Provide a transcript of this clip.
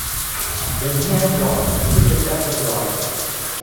When he had gone, he picked up his rod.